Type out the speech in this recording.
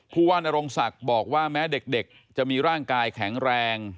ผู้ว่านรงศักดิ์บอกว่าแม้เด็กจะมีร่างกายแข็งแรง